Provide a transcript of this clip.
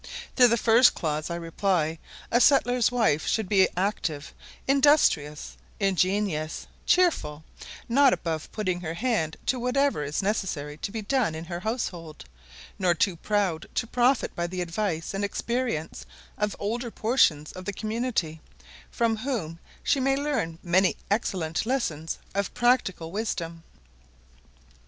To the first clause, I reply, a settler's wife should be active, industrious, ingenious, cheerful, not above putting her hand to whatever is necessary to be done in her household, nor too proud to profit by the advice and experience of older portions of the community, from whom she may learn many excellent lessons of practical wisdom.